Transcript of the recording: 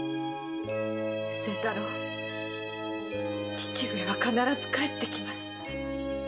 父上は必ず帰ってきます。